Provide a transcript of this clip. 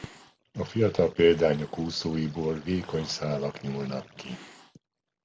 A fiatal példányok úszóiból vékony szálak nyúlnak ki.